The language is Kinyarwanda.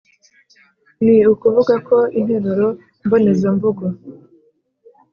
Ni ukuvuga ko interuro mbonezamvugo